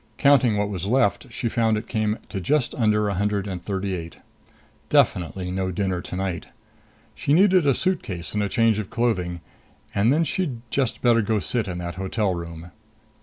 Counting what was left, she found it came to just under a hundred and thirty eight. Definitely no dinner tonight! She needed a suitcase and a change of clothing. And then she'd just better go sit in that hotel room.